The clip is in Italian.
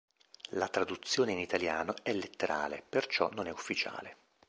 La traduzione in italiano è letterale perciò non è ufficiale.